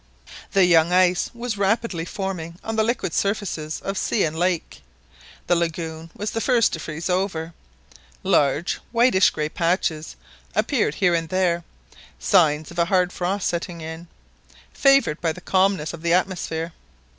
The " young ice " was rapidly forming on the liquid surfaces of sea and lake. The lagoon was the first to freeze over; large whitish grey patches appeared here and there, signs of a hard frost setting in, favoured by the calmness of the atmosphere.